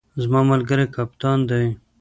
زما ملګری کپتان دی